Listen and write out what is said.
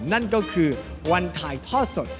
นั่นก็คือวันถ่ายทอดสด